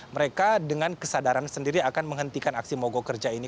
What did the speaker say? mereka dengan kesadaran sendiri akan menghentikan aksi mogok kerja ini